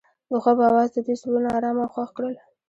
د خوب اواز د دوی زړونه ارامه او خوښ کړل.